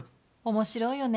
面白いよね。